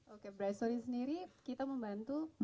oke bright story sendiri kita membantu